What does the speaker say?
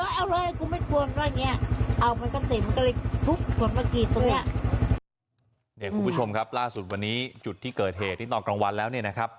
ส่วนเมื่อกี้ตรงเนี้ยเดี๋ยวคุณผู้ชมครับล่าสุดวันนี้จุดที่เกิดเหตุที่ตอนกลางวัลแล้วเนี้ยนะครับ